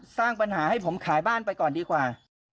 สร้างปัญหาให้ผมขายบ้านไปก่อนดีกว่า